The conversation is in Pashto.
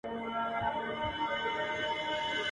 نه بارونه د چا وړې نه به نوکر یې ..